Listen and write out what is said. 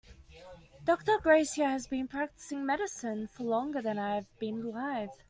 Doctor Garcia has been practicing medicine for longer than I have been alive.